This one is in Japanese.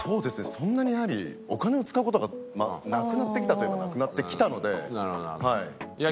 そんなにやはりお金を使う事がなくなってきたというかなくなってきたので。